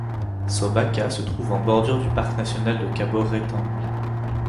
Sobaka se trouve en bordure du parc national de Kaboré Tambi.